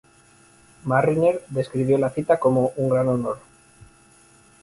Marriner describió la cita como un "gran honor".